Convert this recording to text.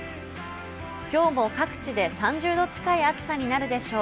今日も各地で３０度近い暑さになるでしょう。